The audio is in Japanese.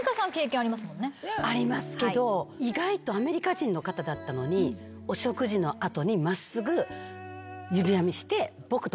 ありますけど意外とアメリカ人の方だったのにお食事の後に真っすぐ。